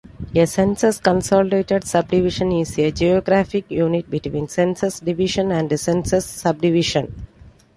A census consolidated subdivision is a geographic unit between census division and census subdivision.